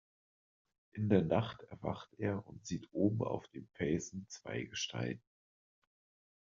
In der Nacht erwacht er und sieht oben auf dem Felsen zwei Gestalten.